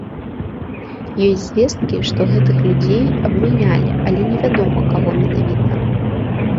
Ёсць звесткі, што гэтых людзей абмянялі, але невядома, каго менавіта.